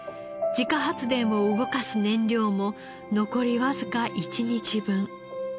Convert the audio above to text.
自家発電を動かす燃料も残りわずか一日分。